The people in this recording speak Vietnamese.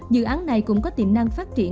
dự án này cũng có tiềm năng phát triển